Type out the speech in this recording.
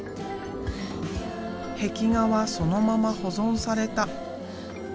壁画はそのまま保存された。